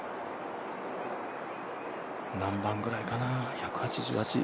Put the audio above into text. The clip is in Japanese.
何番ぐらいかな、１８８。